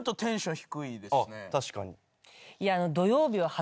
確かに。